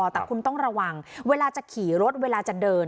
แต่คุณต้องระวังเวลาจะขี่รถเวลาจะเดิน